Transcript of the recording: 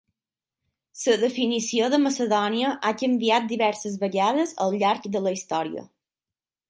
La definició de Macedònia ha canviat diverses vegades al llarg de la història.